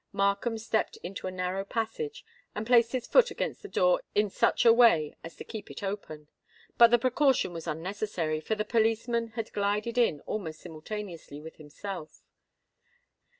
Markham stepped into a narrow passage, and placed his foot against the door in such a way as to keep it open. But the precaution was unnecessary, for the policeman had glided in almost simultaneously with himself.